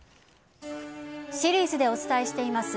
シリーズでお伝えしています